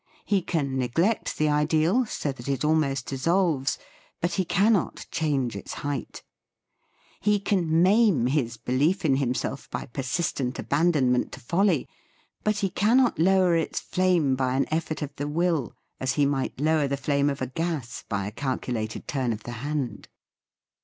He can neglect the ideal, so that it almost dissolves, but he cannot change its height. He can maim his belief in himself by persistent abandon THE FEAST OF ST FRIEND merit to folly, but he cannot lower its flame by an effort of the will, as he might lower the flame of a gas by a calculated turn of the hand.